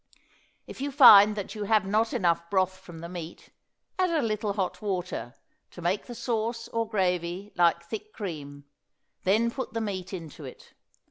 If you find that you have not enough broth from the meat, add a little hot water, to make the sauce or gravy like thick cream; then put the meat into it.